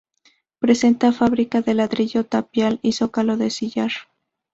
Presenta fábrica de ladrillo, tapial y zócalo de sillar.